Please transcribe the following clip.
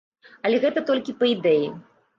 Але гэта толькі па ідэі.